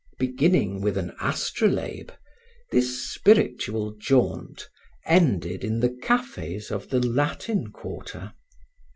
Beginning with an astrolabe, this spiritual jaunt ended in the cafes of the Latin Quarter.